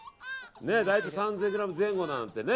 大体３０００ｇ前後なんでね。